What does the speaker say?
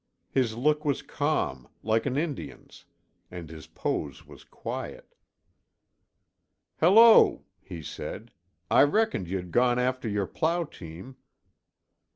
His look was calm, like an Indian's, and his pose was quiet. "Hello!" he said. "I reckoned you'd gone after your plow team."